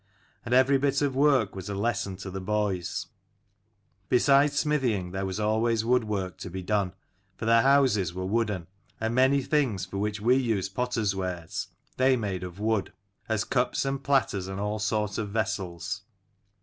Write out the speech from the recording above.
And every bit of work was a lesson to the boys. Beside smithying there was always wood work to be done, for their houses were wooden, and many things for which we use potter's wares, they made of wood : as cups and platters and all sort of vessels.